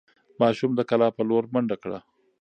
ماشوم د کلا په لور منډه کړه.